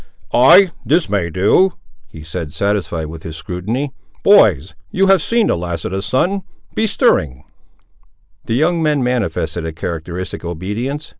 "Ay, this may do," he said, satisfied with his scrutiny; "boys, you have seen the last of the sun; be stirring." The young men manifested a characteristic obedience.